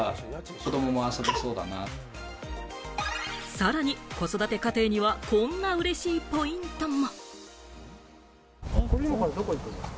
さらに子育て家庭にはこんな嬉しいポイントも。